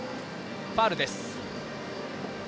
ファウルです。